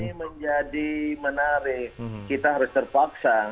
ini menjadi menarik kita harus terpaksa